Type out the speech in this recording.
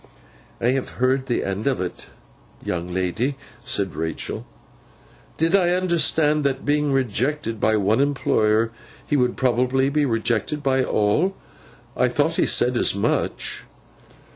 'I have heard the end of it, young lady,' said Rachael. 'Did I understand, that, being rejected by one employer, he would probably be rejected by all? I thought he said as much?